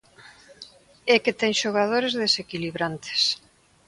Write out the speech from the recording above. E que ten xogadores desequilibrantes.